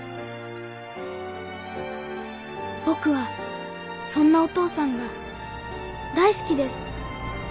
「僕はそんなお父さんが大好きです。